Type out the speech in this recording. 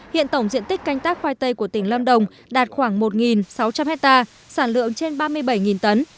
hiện tổng diện tích canh tác khoai tây của tỉnh lâm đồng đạt khoảng một sáu trăm linh hectare sản lượng trên ba mươi bảy tấn